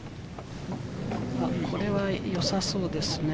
これは良さそうですね。